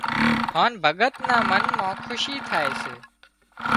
هانَ ڀڳت نا منَ مان کُشي ٿائي سي